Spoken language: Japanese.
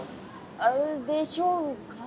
あでしょうか？